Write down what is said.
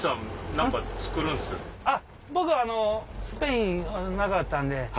僕はスペイン長かったんで。